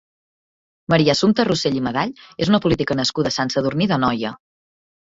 Maria Assumpta Rosell i Medall és una política nascuda a Sant Sadurní d'Anoia.